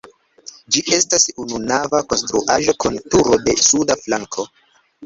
Ĝi estas ununava konstruaĵo kun turo de suda flanko.